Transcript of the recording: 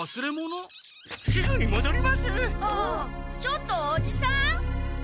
ちょっとおじさん？